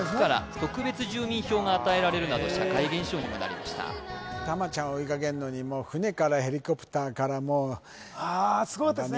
特別住民票が与えられるなど社会現象にもなりましたタマちゃんを追いかけるのにもう船からヘリコプターからもうああすごかったですね